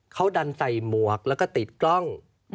เขาดันใส่หมวกแล้วก็ติดกล้อง